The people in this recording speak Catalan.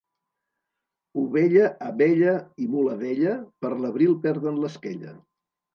Ovella, abella i mula vella per l'abril perden l'esquella.